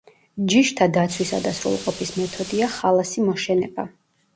ჯიშთა დაცვისა და სრულყოფის მეთოდია ხალასი მოშენება.